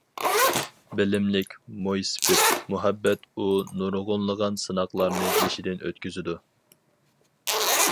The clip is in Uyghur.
بىلىملىك مويسىپىت، مۇھەببەت ئۇ نۇرغۇنلىغان سىناقلارنى بېشىدىن ئۆتكۈزىدۇ.